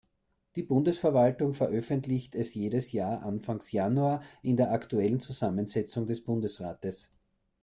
Die Bundesverwaltung veröffentlicht es jedes Jahr anfangs Januar in der aktuellen Zusammensetzung des Bundesrates.